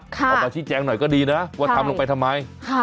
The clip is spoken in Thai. ค่ะเอาต่อชิ้นแจ้งหน่อยก็ดีนะว่าทำลงไปทำไม